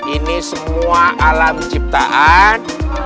ini semua alam ciptaan